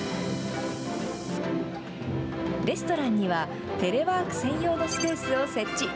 レストランには、テレワーク専用のスペースを設置。